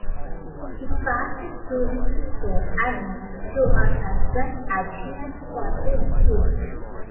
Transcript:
It passed through his sister, Anne, to her husband-Adrian Fortescue.